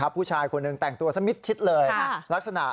ผู้ชายคนหนึ่งแต่งตัวสมิษร์ทิศเราชนะ